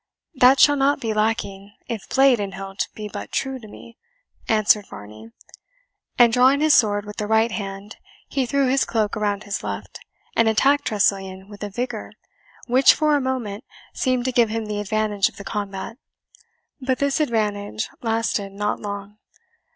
"That shall not be lacking, if blade and hilt be but true to me," answered Varney; and drawing his sword with the right hand, he threw his cloak around his left, and attacked Tressilian with a vigour which, for a moment, seemed to give him the advantage of the combat. But this advantage lasted not long.